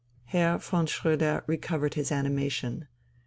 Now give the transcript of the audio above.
Herr von Schröder recovered his animation.